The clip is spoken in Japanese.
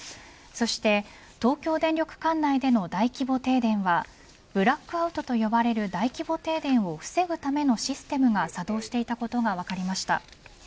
そして東京電力管内での大規模停電はブラックアウトと呼ばれる大規模停電を防ぐためのシステムが作動していたことが分かりました。